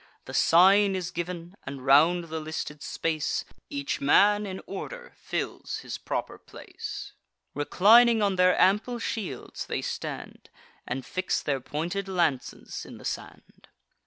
The sign is giv'n; and, round the listed space, Each man in order fills his proper place. Reclining on their ample shields, they stand, And fix their pointed lances in the sand.